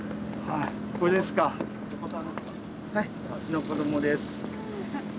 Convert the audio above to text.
はいうちの子どもです。